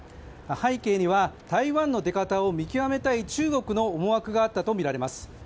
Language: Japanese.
背景には、台湾の出方を見極めたい中国の思惑があったとみられます。